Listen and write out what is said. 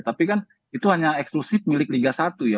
tapi kan itu hanya eksklusif milik liga satu ya